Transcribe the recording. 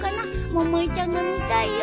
百恵ちゃんが見たいよ。